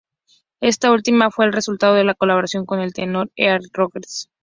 Esta última fue el resultado de la colaboración con el tenor Earl Rogers.